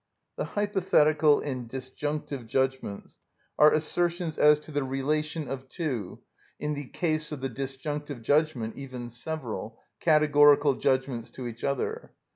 The hypothetical and disjunctive judgments are assertions as to the relation of two (in the case of the disjunctive judgment even several) categorical judgments to each other.